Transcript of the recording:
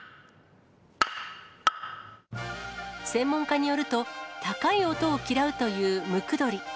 専門家によると、高い音を嫌うというムクドリ。